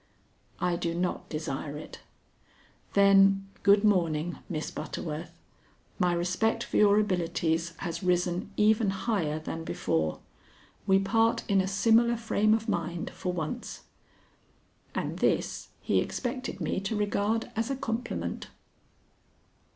"I do not desire it." "Then good morning, Miss Butterworth. My respect for your abilities has risen even higher than before. We part in a similar frame of mind for once." And this he expected me to regard as a compliment.